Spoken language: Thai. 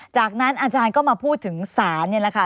จากนั้นอาจารย์ก็มาพูดถึงศาลนี่แหละค่ะ